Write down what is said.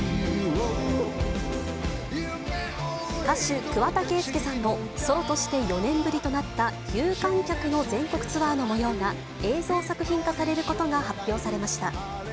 歌手、桑田佳祐さんがソロとして４年ぶりとなった、有観客のツアーのもようが映像作品化されることが発表されました。